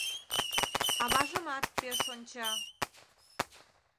Аважымат пеш онча.